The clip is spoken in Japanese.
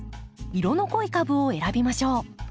色の濃い株を選びましょう。